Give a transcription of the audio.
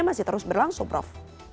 masih terus berlangsung prof